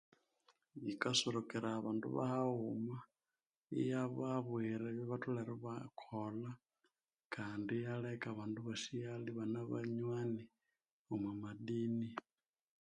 Yikasorokeraya abandu bahaghuma iyababwira ebyabatholere ibakolha kandi iyaleka abandu ibasighalha ibane banywani omwa madini.